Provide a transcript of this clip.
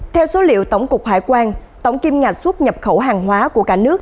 theo số liệu tổng cục hải quan tổng kim ngạch xuất nhập khẩu hàng hóa của cả nước